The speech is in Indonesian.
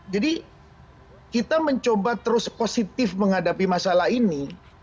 jadi kita mencoba terus positif menghadapi masalah ini